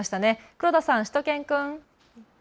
黒田さん、しゅと犬くん。